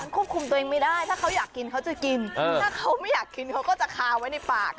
ควบคุมตัวเองไม่ได้เขาอยากกินจะกินถ้าไม่อยากกินจะคาวไว้ในปาก